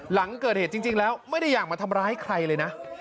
หลังเกิดเหตุจริงแล้วไม่ได้อยากมาทำร้ายใครเลยนะ